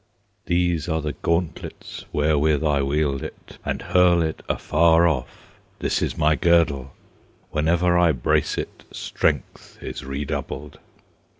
These are the gauntlets Wherewith I wield it, And hurl it afar off; This is my girdle; Whenever I brace it, Strength is redoubled!